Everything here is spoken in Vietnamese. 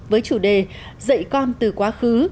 với chủ đề dạy con từ quá khứ